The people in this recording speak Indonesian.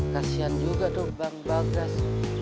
kasian juga tuh bang bagras